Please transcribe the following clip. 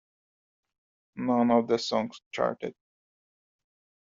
None of the songs charted.